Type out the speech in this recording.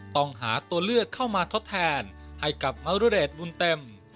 ต้องหาตัวเลือกเข้ามาทดแทนให้กับมรุเดชบุญเต็ม